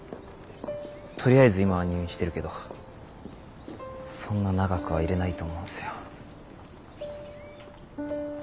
とりあえず今は入院してるけどそんな長くはいれないと思うんすよ。